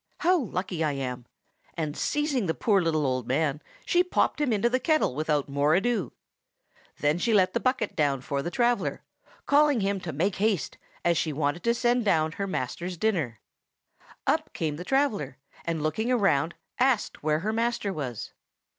How lucky I am!" and seizing the poor little old man, she popped him into the kettle without more ado. Then she let the bucket down for the traveller, calling to him to make haste, as she wanted to send down her master's dinner. "'Tis an ill wind that blows nobody any good!" Up came the traveller, and looking around, asked where her master was.